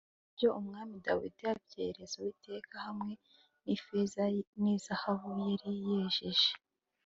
Na byo Umwami Dawidi abyereza Uwiteka hamwe n’ifeza n’izahabu yari yejeje